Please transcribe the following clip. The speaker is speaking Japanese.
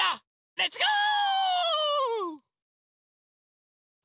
レッツゴー！